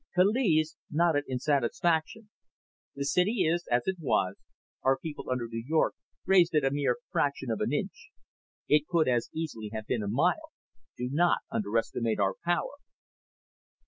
Kaliz nodded in satisfaction. "The city is as it was. Our people under New York raised it a mere fraction of an inch. It could as easily have been a mile. Do not underestimate our power."